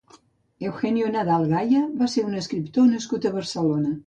Eugenio Nadal Gaya va ser un escriptor nascut a Barcelona.